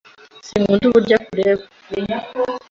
Sinkunda uburyo akureba.